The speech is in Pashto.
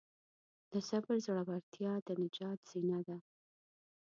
د صبر زړورتیا د نجات زینه ده.